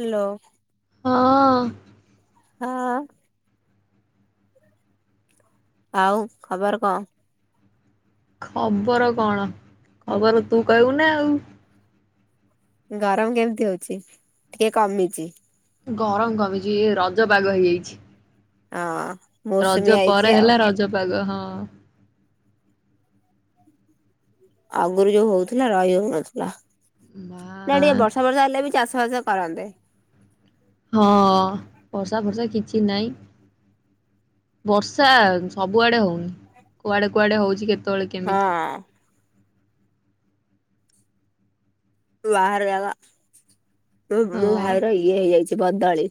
Hello. ହଁ। ହଁ। ଆଉ ଖବର କଣ? ଖବର କଣ ଖବର ତୁ କହିବୁନା ଆଉ। ଗରମ କେମିତି ହଉଚି ଟିକେ କମିଚି। ଗରମ କମିଚି ରଜ ପାଗ ହେଇଯାଇଛି। ହଁ। ମୌସୁମୀ ରଜ ଆଇଛି ପରେ ଆଉ ହେଲା ରଜ ପାଗ ହଁ। ଆଗରୁ ଯୋଉ ହଉଥିଲା ରହି ହଉନଥିଲା ମା ନାଟିକେ ବର୍ଷା ବର୍ଷା ହେଲେବି ଚାଷ ଫାଷ କରନ୍ତେ। ହଁ ବର୍ଷା ଫର୍ଷା କିଛି ନାଇଁ। ବର୍ଷା ସବୁଆଡ଼େ ହଉନି କୁଆଡ଼େ କୁଆଡ଼େ ହଉଚି କେତେବେଳେ କେମିତି। ହଁ ବାହାର ଜାଗ ତ ହଁ ମୋଭାଇର ଇଏ ହେଇଯାଇଛି ବଦଳୀ।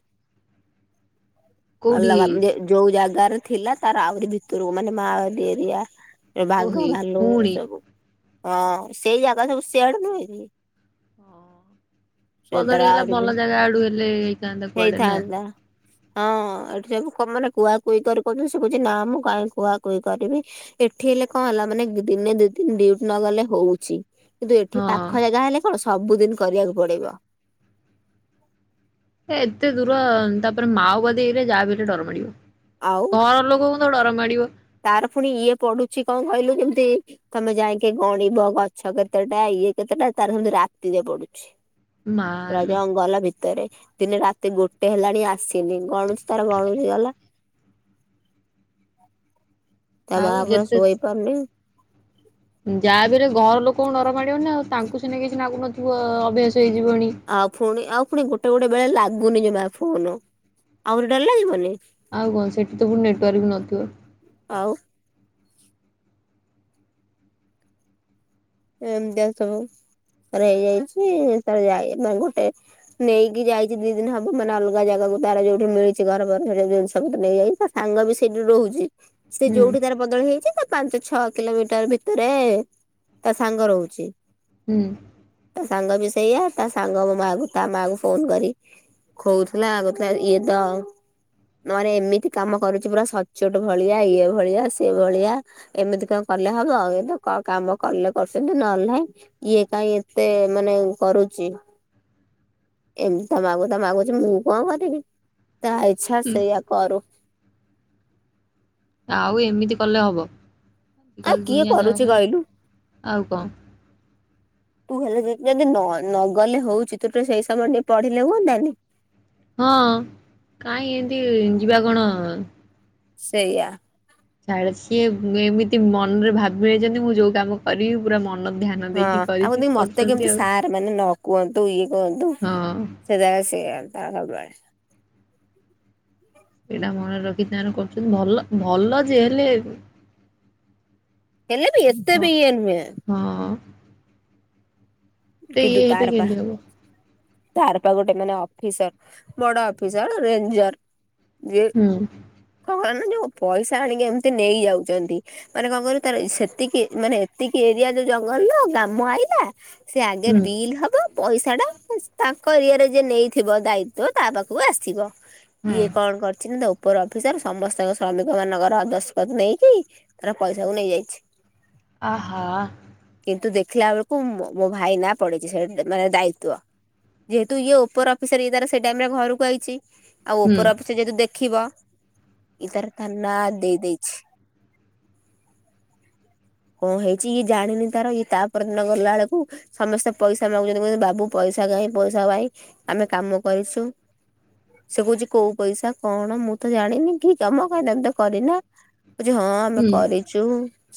କୋଉଠି ଅଲଗା ହେଇଛି ଯେ ଯୋଉ ଜାଗାରେ ଥିଲା ତାର ଆହୁରି ଭିତରୁକୁ ମାନେ ମାଓବାଦୀ ଏରିଆ। ଏ ଓ ବାଘ ହେଇ ଭାଲ ଏ ପୁଣି ସବୁ ହଁ ସେଇ ଜାଗା ସବୁ ସେଆଡ଼େ ନୁହେଁକି। ହଁ ତାର ବଦଳୀ ହେଲା ଆହୁରି ବି ଭଲ ଜାଗା ଆଡ଼ୁ ହେଲେ ହେଇଥାନ୍ତା କୁଆଡ଼େନା। ହେଇଥାନ୍ତା ହଁ ଏଠି ସବୁ କ ମାନେ କୁଆ କୁଇ କରି କହୁଛନ୍ତି ସେ କହୁଚି ନା ମୁଁ କାହିଁ କୁଆ କୁହି କରିବି। ଏଠି ହେଲେ କଣ ହେଲା ମାନେ ଦିନେ ଦିଦିନି ଡିଉଟି ନଗଲେ ହଉଚି। କିନ୍ତୁ ଏଠି ହଁ ପାଖ ଜାଗା ହେଲେ କଣ ସବୁଦିନ କରିବାକୁ ପଡ଼ିବ। ଏତେ ଦୂର ତାପରେ ମାଓବାଦୀ ଏଇରେ ଯାହାବି ହେଲେ ଡର ମାଡ଼ିବ। ଆଉ। ଘଁର ଲୋକଙ୍କୁତ ଡର ମାଡ଼ିବ। ତାର ପୁଣି ଇଏ ପଡ଼ୁଛି କଣ କହିଲୁ ଯେମତି ତମେ ଯାଇକି ଗଣିବ ଗଛ କେତେଟା ଇଏ କେତେଟା ତାର ହେମିତି ରାତିରେ ପଡ଼ୁଛି। ପୁରା ମାଲୋ ଜଙ୍ଗଲ ଭିତରେ ଦିନେ ରାତି ଗୋଟେ ହେଲାଣି ଆସି ସେବି ଗଣୁଛି ତାର ଗଣୁଛି ଗଲା ତା ଆଉ ମାଁ ପୁରା ସୋଇପାରୁନି। ଯାହାବି ହେଲେ ଘର ଲୋକଲଙ୍କୁ ଡର ମାଡ଼ିବନିନା ଆଉ ତାଙ୍କୁ ସିନା କିଛି ନାଗୁନଥିବ ଅଭ୍ୟାସ ହେଇଯିବନି। ଆଉ ପୁଣି ଆଉ ପୁଣି ଗୋଟେ ଗୋଟେ ବେଳେ ଲାଗୁନି ଜମା ଫୋନ୍ ଆହୁରି ଡର ଲାଗିବନି। ଆଉ କଣ ସେଠିତ ପୁଣି ନେଟୱାର୍କବି ନଥିବ। ଆଉ ଏମିତିଆ ସବୁ ଆରେ ହେଇଯାଇଛି ଯାଇ ଗୋଟେ ନେଇକି ଯାଇଛି ଦି ଦିନ ହବ ମାନେ ଅଲଗା ଜାଗାକୁ ତାର ଯୋଉଠି ମିଳିଛି ଘର ଫର ତାର ସବୁ ଜିନିଷପତ୍ର ନେଇଯାଇଛି ସାଙ୍ଗ ବି ସେଇଠି ରହୁଛି। ସେ ହୁଁ ଯୋଉଠି ତାର ବଦଳି ହେଇଚିତା ପାଞ୍ଚ ଛଅ କିଲୋମିଟର୍ ଭିତରେ ତା ସାଙ୍ଗ ରହୁଚି। ହୁଁ। ତା ସାଙ୍ଗ ବି ସେଇଆ ତା ସାଙ୍ଗ ମୋ ମା କୁ ତା ମାଆ କୁ ଫୋନ କରି ଖୋଉଥିଲା, କହୁଥିଲା ଇଏ ତ ଆଉ ନରେ ଏମିତି କାମ କରୁଛି ପୁରା ସଚୋଟ ଭଳିଆ, ଇଏ ଭଳିଆ, ସିଏ ଭଳିଆ ଏମିତି କଣ କଲେ ହବ ଆଉ ଏବେ କଣ କାମ କଲେ କରୁଛନ୍ତି ନହେଲେ ନାଇଁ, ଇଏ କାହିଁ ଏତେ ମାନେ କରୁଛି? ଏମତି ତା ମା କୁ ତ ମାଗୁଛି ମୁଁ କଣ କରିବି, ତା ଇଚ୍ଛା ସେୟା କରୁ। ଆଉ ଏମିତି କଲେ ହବ? ଆ ଆଜିକାଲି କିଏ ଦୁନିଆ ଯାହା କରୁଛି ହେଲାଣି କହିଲୁ? ଆଉ କଣ? ତୁ ହେଲେ ଯଦି ନ-ନଗଲେ ହଉଚି ତୁ ଟିକେ ସେଇ ସମୟ ଟିକେ ପଢିଲେ ହୁଅନ୍ତାନି? ହଁ, କାହିଁ ଏମତି ଯିବା କଣ ସେୟା। ଡା ସିଏ ଏମିତି ମନ ରେ ଭାବିବେ ଯଦି ମୁଁ ଯୋଉ କାମ କରିବି ପୁରା ମନ ଧ୍ୟାନ ହଁ ଦେଇକି ଆଉ କରିବି ଯଦି ମତେ କରୁଛନ୍ତି କେମିତି ଆଉ। ସାର୍ ମାନେ ନ କୁହନ୍ତୁ ଇଏ କୁହନ୍ତୁ। ହଁ ରେ ସେୟା ସବୁବେଳେ। ସେଇଟା ମନେରେ ରଖି ତାର କରୁଛନ୍ତି ଭଲ, ଭଲ ଯେ ହେଲେ ହେଲେ ବି ଏତେ ହଁ ବି ଇଏନୁହେଁ। ହଁ। ତ ଇଏ କିନ୍ତୁ ହେଇତ ତାର ତ ପା କେମିତି ହବ? ତାର ପା ଗୋଟେ ମାନେ ଅଫିସର ବଡ ଅଫିସର ରେଞ୍ଜର ଯେ, ହୁଁ କଣ ନା ଯୋଉ ପଇସା ହେରିକ ଏମିତି ନେଇଯାଉଛନ୍ତି। ମାନେ କଣ କହିଲୁ ତାର ସେତିକି ମାନେ ଏତିକି ଏରିଆ ଯୋଉ ଜଙ୍ଗଲର କାମ ଆଇଲା। ସେ ଆଗେ ହୁଁ ବିଲ୍ ହବ ପଇସା ଟା ତାଙ୍କ ଏରିଆରେ ଜେ ନେଇଥିବ ଦାୟିତ୍ଵ ତା ପାଖକୁ ଆସିବ, ହୁଁ ଇଏ କଣ କରିଛି ନା ଦ ଅଫିସର ସମସ୍ତଙ୍କ ଶ୍ରମିକ ମାନଙ୍କର ଦଶଖତ ନେଇକି ତାର ପଇସା କୁ ନେଇଯାଇଛି। ଆହା। କିନ୍ତୁ ଦେଖିଲା ବେଳକୁ ମୋ ଭାଇ ନା ପଡିଛି ସେଇ ମାନେ ଦାୟିତ୍ଵ ଯେହେତୁ ଇଏ ଉପର ଅଫିସର, ଇଏ ତାର ସେଇ ଟାଇମ ରେ ଘରକୁ ଆଇଛି, ଆଉ ହୁଁ ଉପର ଅଫିସ ସେ ଯେହେତୁ ଦେଖିବ, ଇ ତାର ଥାନା ଦେଇ ଦେଇଛି। କଣ ହେଇଛି ଇଏ ଜାଣିନି ତାର, ଇଏ ତା ପରଦିନ ଗଲା ବେଳକୁ ସମସ୍ତେ ପଇସା ମାଗୁଛନ୍ତି, କହୁଛନ୍ତି ବାବୁ ପଇସା କାଇଁ ପଇସା କାଇଁ ଆମେ କାମ କରିଛୁ। ସେ କହୁଛି କୋଉ ପଇସା କଣ ମୁଁ ତ ଜାଣିନି କି କାମ କାଇଁ ତମେ ତ କରିନ। କହୁଚି ହଁ ଆମେ ହୁଁ। କରିଛୁ,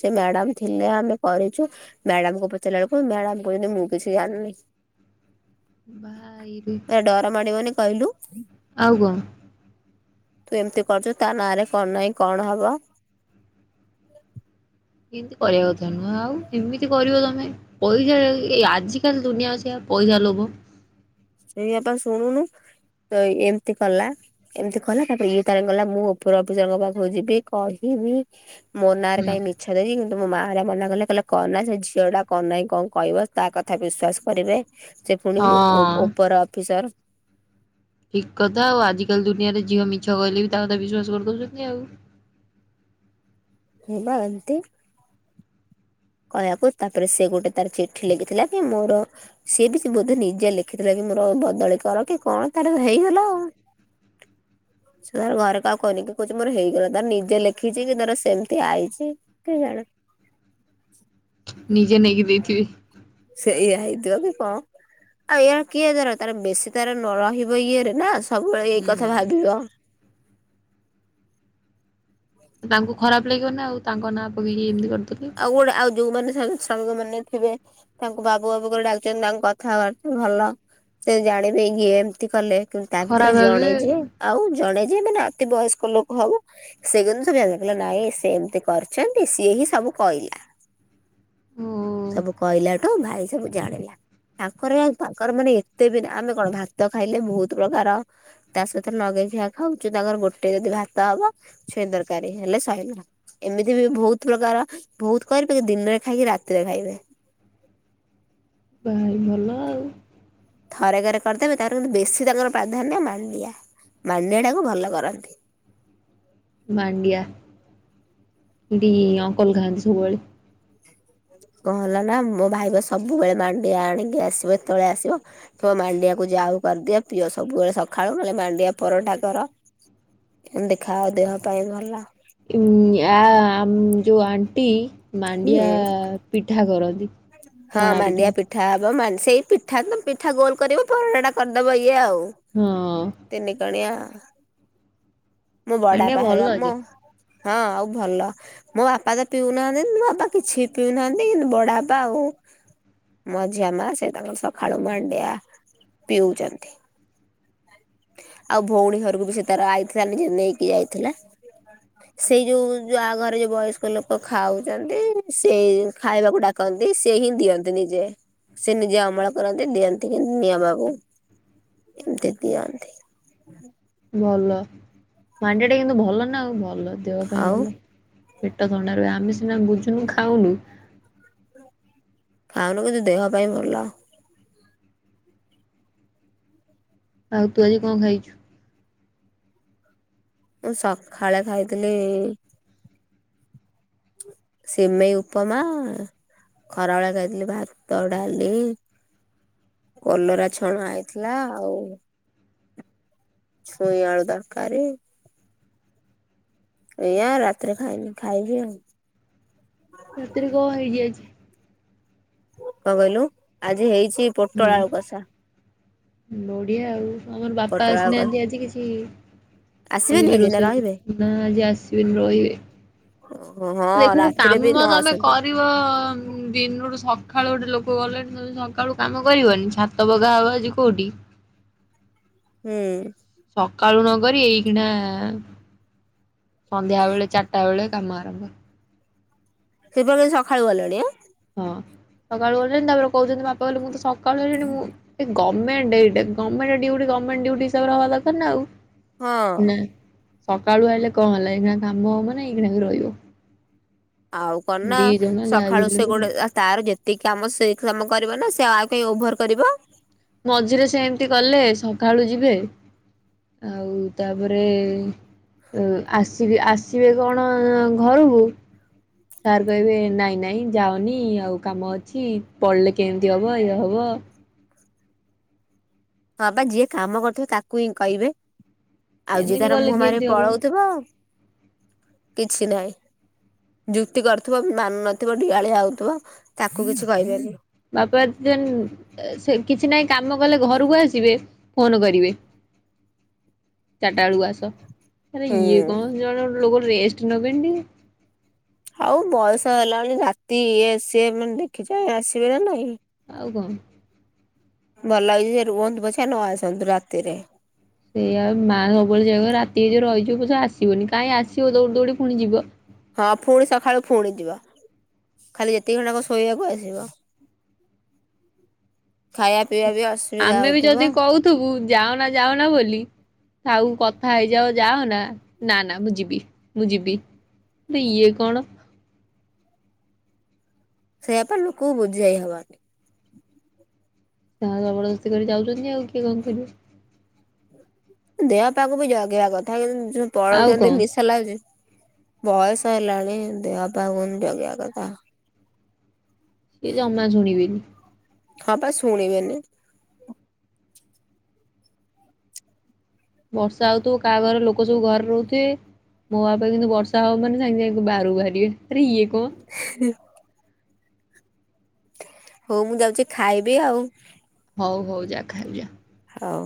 ସେ ମ୍ୟାଡାମ ଥିଲେ ଆମେ କରିଛୁ, ମ୍ୟାଡାମକୁ ପଚାରିଲା ବେଳକୁ ମ୍ୟାଡାମ କହିଲେ ମୁଁ ମୁଁ କିଛି ଜାଣିନି। ଭାଇରେ ଆ ଡର ମାଡିିବନି କହିଲୁ? ଆଉ କଣ। ତୁ ଏମିତି କରୁଛୁ, ତା ନାଁରେ କଣ ନାହିଁ କଣ ହବ। ଏମିତି କରିବା କଥା ନୁହେଁ ଆଉ, ଏମିତି କରିବ ତମେ। ପଇସା ଏ ଆଜିିକାଲି ଦୁନିଆ ବା ସେୟା ପଇସା ଲୋଭ। ସେୟା ପା ଶୁଣୁନୁ ତ ଏମିତି କଲା। ଏମିତି କଲା ତାପରେ ଇଏ ତାର ଗଲା ମୁଁ ଉପର ଅଫିସରଙ୍କ ପାଖକୁ ଯିବି କହିବି। ମୋ ନାଁ ହୁଁ ରେ ହଁ। କାଇଁ ମି ଇଛ କିନ୍ତୁ ମୋ ମା ହେରିକା ମନା କଲେ କଣ ନାଁ ସେ ଝିଅ ଟା କଣ ନାହିଁ କଣ କହିବ, ତା କଥା ବିଶ୍ୱାସ କରିବେ। ସେ ପୁଣି ଉ-ଉ-ଉପର ଅଫିସର। ଠିକ କଥା ଆଉ ଆଜିକାଲି ଦୁନିଆରେ ଝିଅ ମିଛ କହିଲେ ବି ତା କଥା ବିଶ୍ଵାସ କରିଦଉଛନ୍ତି ଆଉ। ହଁ ବା ଏନ୍ତି। କହିବାକୁ, ତାପରେ ସେ ଗୋଟେ ତାର ଚିଠି ଲେଖିଥିଲା କି ମୋର ସିଏ ବି ସେ ବୋଧେ ନିଜେ ଲେଖିଥିଲା କି ମୋର ବଦଳି କର କି କଣ ତାର ହେଇଗଲା ଆଉ। ଟିକ ସେ ତାର ଘରେ କହାକୁ କହିନିକି କହୁଛି ମୋର ହେଇଗଲା ତାର ନିଜେ ଲେଖିଚିକି ତାର ସେମିତି ଆଇଚି କେଜାଣେ [inaudible] ନିଜେ ନେଇକି ଦେଇଥିବେ। ସେଇଆ ହେଇଥିବକି କଁ। ଆଉ ଏଆରେ କିଏ ତାର ତାର ବେଶୀ ତାର ନ ରହିବ ଇଏରେନା ସବୁବେଳେ ଏଇ କଥା ହୁଁ। ଭାବିବ। ତାଙ୍କୁ ଖରାପ ଲାଗିବନି ଆଉ ତାଙ୍କ ନାଁ ପକେଇକି ଏମିତି କରିଦେଲେ। ଆଉ ଗୋଟେ ଆଉ ଯୋଉମାନେ ସ ସାଙ୍ଗ ମାନେ ଥିବେ ତାଙ୍କୁ ବାବୁ ବାବୁ କରି ଡାକୁଚନ୍ତି ତାଙ୍କ କଥାବାର୍ତ୍ତା ଭଲ ସେଜାଣିବେ ଇଏ ଏମିତି କଲେ କିନ୍ତୁ ତା ଭିତରେ ଖରାପ ଜଣେ ଭାବିବେ। ଯିବେ ଆଉ ଜଣେ ଯିଏ ମାନେ ଅତି ବୟସ୍କ ଲୋକ ହବ ସେ କିନ୍ତୁ ସବୁ ଜାଣିନଥିଲା କଇଲା ନାଇଁ ସେଏମିତି କରିଛନ୍ତି ସିଏହିଁ ସବୁ କହିଲା। ଓ ସବୁ କହିଲାଠୁ ଭାଇ ସବୁ ଜାଣିଲା। ତାଙ୍କର ତାଙ୍କର ମାନେ ଏତେବି ଆମେ କଣ ଭାତ ଖାଇଲେ ବହୁତ୍ ପ୍ରକାର ତା ସହିତ ନଗେଇ ଖୀଆ ଖାଉଛୁ ତାଙ୍କର ଗୋଟେ ଯଦି ଭାତ ହବ ଛୁଇଁ ତରକାରୀ ହେଲେ ସଇଲା। ଏମିତିବି ବହୁତ୍ ପ୍ରକାର ବହୁତ୍ କରିବେ ଦିନରେ ଖାଇକି ରାତିରେ ଖାଇବେ ଭାଇ ଭଲ ଆଉ। ଥରକରେ କରିଦେବେ ତାଙ୍କର କିନ୍ତୁ ବେଶୀ ତାଙ୍କର ପ୍ରାଧାନ୍ୟ ମାଣ୍ଡିଆ ମାଣ୍ଡିଆଟାକୁ ଭଲ କରନ୍ତି। ମାଣ୍ଡିଆ ଏଠି ଅଙ୍କଲ ଖାଆନ୍ତି ସବୁବେଳେ। କଣ ହେଲାନା ମୋଭାଇବା ସବୁବେଳେ ମାଣ୍ଡି ଆଣିକି ଆସିବ ଯେତେବେଳେ ଆସିବ କଇବ ମାଣ୍ଡିଆକୁ ଯାଉ କରିଦିଅ ପିଅ ସବୁବେଳେ ସକାଳୁ ନହେଲେ ମାଣ୍ଡିଆ ପରଟା କର ଏ ଦେଖାଅ ଦେହ ପାଇଁ ଭଲ। ଆ ଆମ ଯୋଉ ଆଣ୍ଟି ହୁଁ। ମାଣ୍ଡିଆ ପିଠା କରନ୍ତି। ହଁ ମାଣ୍ତିଆ ପି ପିଠା ହବ ମା ସେଇ ପିଠାତ ପିଠା ଗୋଲ କରିବ ପରଟା କରିଦବ ଇଏ ଆଉ। ହଁ। ତିନିିକଣିଆ ମୋ ମାଣ୍ଡିଆ ବାଡ଼ବାପା ଭଲ ହରିକା ମୋ ଯେ ହଁ ଆଉ ଭଲ ମୋ ବାପାତ ପିଉନାହାନ୍ତି ମୋ ବାପା କିଛିବି ପିଉନାହାଁନ୍ତି କିନ୍ତୁ ବାଡ଼ବା ପାଆଉ ମଝିଆ ମା ସେତାଙ୍କର ସକାଳୁ ମାଣ୍ଡିଆ ପିଉଛନ୍ତି। ଆଉ ଭଉଣୀ ଘରକୁବି ସେତାର ଆଇଥିଲା ନିଯେ ନେଇକି ଆଇଥିଲା। ସେଇ ଯୋଉ ଯୋଉ ଆଘରେ ଯୋଉ ବୟସ୍କ ଲୋକ ଖାଉଚନ୍ତି ସେଇଯଉ ଖାଇବାକୁ ଡା କନ୍ତି ସେହିଁ ଦିଅନ୍ତି ନିଜେ ସେନିଜେ ଅମଳ କରନ୍ତି ଦିଅନ୍ତି କିନ୍ତୁ ନିଆମାକୁ ଏମିତି ଦିଅନ୍ତି। ଭଲ ମାଣ୍ଡିଆଟା କିନ୍ତୁ ଭଲନା ଆଉ ଭଲ ଦେହ ପାଇଁ ଆଉ ଭଲ। ପେଟ ଥଣ୍ଡା ରୁହେ ଆମେ ସିନା ବୁଝୁନୁ ଖାଉନୁ ଖାଉନୁ କିନ୍ତୁ ଦେହ ପାଇଁ ଭଲ। ଆଉ ତୁ ଆଜି କଁ ଖାଇଚୁ? ମୁଁ ସଖାଳେ ଖାଇଥିଲି ସିମେଇ ଉପମା ଖରାବେଳେ ଖାଇଥିଲି ଭାତ ଡ଼ାଲି କଲରା ଛଣା ହେଇଥିଲା ଆଉ ଛୁଇଁ ଆଳୁ ଦରକାର ଏଇଆା ରାତିରେ ଖାଇନି ଖାଇବି ଆଉ। ରାତିରେ କଣ ହେଇଯାଇଛି? କଣ କହିଲୁ ଆଜି ହେଇଛି ପୋଟଳ ହୁଁ ଆଳୁ କଷା ବଢିଆ ଆଉ ଆମର ବାପା ପୋଟଳ ଆଳୁ କ ଆସିନାହାନ୍ତି ଆଜି କିଛି ଆଉ ଆସିବେନି କିଛି ଆଜି ନା ରୋଷେଇ ରହିବେ କର ନା ଆଜି ଆସିବେନି ରହିବେ। ହଁ ହଁ ହଁ। ଦେଖୁନୁ ରାତିରେ ବି ନ କାମ ତମେ ଆସନ୍ତୁ କରି ବ ଦିନଠୁ ସକାଳୁ ଗୋଟେ ଲୋକ ଗଲେଣି ତମେ ସକାଳୁ କାମ କରିବନି ଛା ତ ପକାହବ ଆଜି କୋଉଠି? ହୁଁ। ସକାଳୁ ନ କରି ଏଇଖୀଣା। ସନ୍ଧ୍ୟା ବେଳେ ଚାରିଟା ବେଳେ କାମ ଆରମ୍ଭ। ସେ ଫେରେ ସଖାଳୁ ଗଲେଣି। ହଁ ସକାଳୁ ଗଲେଣି ତାପରେ କହୁଛନ୍ତି ବାପା କହିଲେ ମୁଁ ତ ସକାଳୁ ଆଇଲିଣି ମୁଁ। ଯଦି ଗମେଣ୍ଟ ଏଇଟା ଗମେଣ୍ଟ ଡିଉଟି ଗମେଣ୍ଟ ଡିଉଟି ହିସାବରେ ହବା ଦରକାର ନା ଆଉ। ହଁ ନା ସକାଳୁ ଆଇିଲେ କଁ ହେଲା ଏଇଖିଣା କାମ ହବ ମାନେ ଏଇଖିଣା ବି ରହିବ। ଆଉ କଣ ନା ଦି ଜଣ ଯାହା ବି ସକାଳୁ ହେଲେ ସେ ବି ଗୋଟେ। ତାର ଯେତିକି ଆମ ସେ ହି କାମ କରିବ ନା ସେ ଆଉ କାହିଁ ଓଭର କରିବ। ମଝିରେ ସେମତି କଲେ ସଖାଳୁ ଯିବେ। ଆଉ ତାପରେ ଯୋଉ ଆସି। ଯିବେ ଆସିବେ କଣ ଘରକୁ। ସାର୍ କହିବେ ନାଇଁ ନାଇଁ ଯାଅନି ଆଉ କାମ ଅଛି ପଳେଇଲେ କେମିତି ହେବ ଇଏ ହବ। ହଁ ବା ଯିଏ କାମ କରୁଥିବ ତାକୁ ହିଁ କହିବେ। ଆଉ ଯିଏ ଏମିତି ତାର କଲେ ମୁହଁ ଭାରି କେମିତି ହବ ପଳଉଥିବ କିଛି ନହିଁ। ଯୁକ୍ତି କରୁଥିବ ମାନୁ ନଥିବ ଡିିଆଳିଆ ହଉଥିବ ତାକୁ କିଛି କହିବେନି। ବାପା ସେ ନ୍ ସେ କିଛି ନାହିଁ କାମ କଲେ ଘରକୁ ଆସିବେ। ଫୋନ କରିବେ ଚାରିଟା ବେଳକୁ ଆସ ଆରେ ଇଏ ହୁଁ କଣ। ଜଣେ ଗୋଟେ ଲୋକ ରେଷ୍ଟ ନବେନି ଟିକେ। ଆଉ ବୟସ ହେଲା ରାତି ଇଏ ସିଏ ମାନେ ଦେଖି‌ ଚାହିଁ ଆସିବେ ନା ନାଇଁ। ଆଉ କଁ। ଭଲ ହେଇଛି ସେ ରୁହନ୍ତୁ ପଛ ନ ଆସନ୍ତୁ ରାତିରେ। ସେଇଆ ବା ମା ସବୁବେଳେ ସେଇଆ କୁଏ ରାତି ହେଇଯିବ ରହିଯିବ ପଛେ ଆସିବନି କାହିଁ ଆସିବ ଦୌଡି ଦୌଡି ପୁଣି ଯିବ। ହଁ ଫୁଣି ସକାଳୁ ଫୁଣି ଯିବ ଖାଲି ଯେତିକି ଘଣ୍ଡା କଁ ଶୋଇବାକୁ ଆସିବ। ଖାଇବା ପିଇବା ବି ଅସୁବିଧା ଆମେ ବି ହଉଥିବ। ଯଦି କହୁଥିବୁ ଯାଉନା ଯାଉନା ବୋଲି। ଥାଉ କଥା ହେଇଯାଅ ଯାଅନା ନା ନା ମୁଁ ଯିବି ମୁଁ ଯିବି। ଆରେ ଇଏ କଣ। ସେଇଆ ପା ଲୋକ କୁ ବୁଝେଇ ହବନି। ତାଙ୍କର ଜବର ଦସ୍ତି କରି ଯାଉଛନ୍ତି ଆଉ କିଏ କଣ କରିବ। ଦେହ ପା କୁ ବି ଜଗିବା କଥା କିନ୍ତୁ ଯୋଉ ଆଉ ପଳଉଛନ୍ତି କଣ ମିସ୍ ହେଲାଉଛି ବୟସ ହେଲାଣି ଦେହପା କୁ ଜଗିବା କଥା। ସିଏ ଜମା ଶୁଣିବେନି। ହଁ ପା ସୁଣି ବେନି। ବର୍ଷା ହଉଥିବ କାହା ଘରେ ଲୋକ ସବୁ ଘରେ ରହୁଥିବେ। ମୋ ବାପା କିନ୍ତୁ ବର୍ଷା ହବ ମାନେ ସାଙ୍ଗେ ସାଙ୍ଗେ ବାହାରୁ ବାହାରିବେ ଆରେ ଇଏ କଁ। ହଁ ହଉ ମୁଁ ଯାଉଛି ଖାଇବି ଆଉ। ହଉ ହଉ ଯା ଖାଇ ବୁ ଯା। ହଉ।